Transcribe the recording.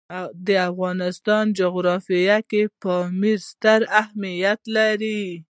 د افغانستان جغرافیه کې پامیر ستر اهمیت لري.